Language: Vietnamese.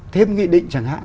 thêm nghị định chẳng hạn